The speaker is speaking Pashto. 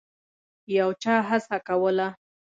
یو چا هڅه کوله.